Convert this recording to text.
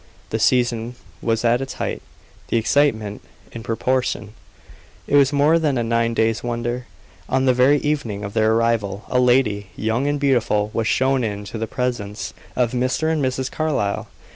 The season was at its height; the excitement in proportion; it was more than a nine days' wonder. On the very evening of their arrival a lady, young and beautiful, was shown in to the presence of Mr. and Mrs. Carlyle.